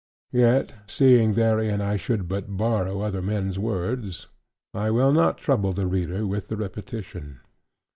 Yet seeing therein I should but borrow other men's words, I will not trouble the Reader with the repetition.